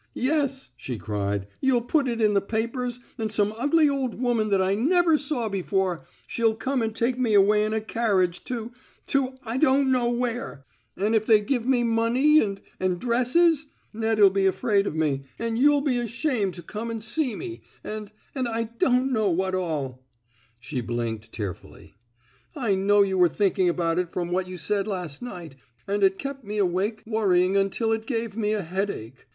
Yes," she cried, '* you'll put it in the papers and some ugly old woman that I never saw before, she'll come and take me away in a carriage to — to I don't know where. And if they 293 THE SMOKE EATEES give me money and — and dresses — Ned*ll be afraid of me, and you'll be ashamed to come and see me, and — and I don't know what all!'' She blinked tearfully. I knew you were thinking about it from what you said last night, and it kept me awake worrying me until it gave me a headache.